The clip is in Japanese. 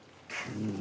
うん！